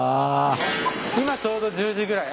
今ちょうど１０時ぐらい。